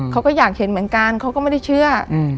เขาก็อยากเห็นเหมือนกันเขาก็ไม่ได้เชื่อ